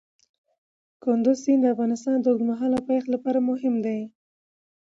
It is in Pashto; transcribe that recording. کندز سیند د افغانستان د اوږدمهاله پایښت لپاره مهم دی.